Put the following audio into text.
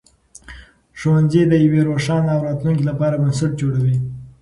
ښوونځي د یوې روښانه راتلونکې لپاره بنسټ جوړوي.